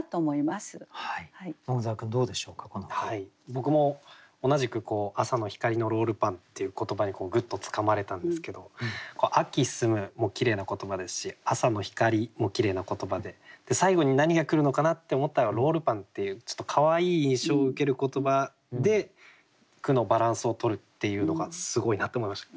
僕も同じく「朝の光のロールパン」っていう言葉にグッとつかまれたんですけど「秋澄む」もきれいな言葉ですし「朝の光」もきれいな言葉で最後に何が来るのかなって思ったら「ロールパン」っていうちょっとかわいい印象を受ける言葉で句のバランスをとるっていうのがすごいなって思いました。